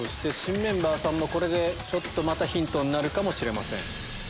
新メンバーさんもこれでまたヒントになるかもしれません。